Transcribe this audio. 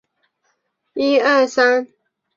桑斯旁圣但尼人口变化图示